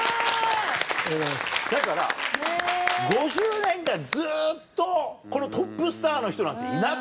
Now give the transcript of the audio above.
だから５０年間ずっとトップスターの人なんていなくない？